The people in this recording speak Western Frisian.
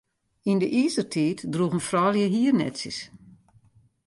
Yn de Izertiid droegen froulju hiernetsjes.